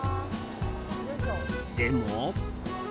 でも。